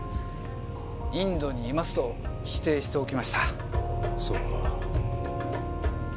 インドにいますと否定しておきまそうか。